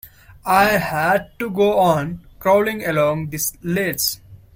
I had to go on, crawling along this ledge.